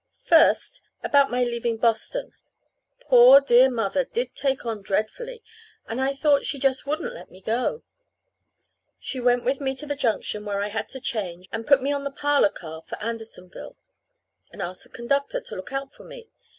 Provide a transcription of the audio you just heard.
First, about my leaving Boston. Poor, dear Mother did take on dreadfully, and I thought she just wouldn't let me go. She went with me to the junction where I had to change, and put me on the parlor car for Andersonville, and asked the conductor to look out for me.